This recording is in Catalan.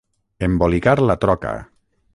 Embolicar la troca.